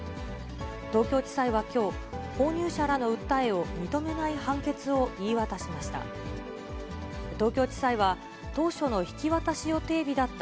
東京地裁はきょう、購入者らの訴えを認めない判決を言い渡しました。